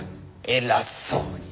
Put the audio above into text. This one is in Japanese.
偉そうに！